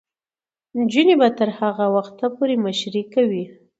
نجونې به تر هغه وخته پورې مشري کوي.